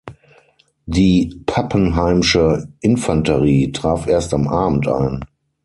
Die Pappenheim’sche Infanterie traf erst am Abend ein.